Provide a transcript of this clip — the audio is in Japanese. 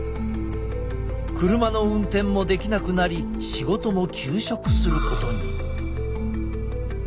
車の運転もできなくなり仕事も休職することに。